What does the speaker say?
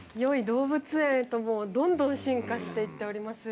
動物園へとどんどん進化していっております